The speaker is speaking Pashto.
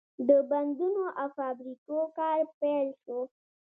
د بندونو او فابریکو کار پیل شو.